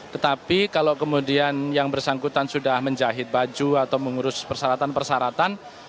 tetapi kalau kemudian yang bersangkutan sudah menjahit baju atau mengurus persyaratan persyaratan